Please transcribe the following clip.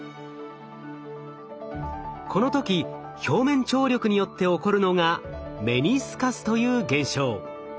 この時表面張力によって起こるのがメニスカスという現象。